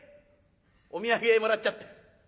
お土産もらっちゃって。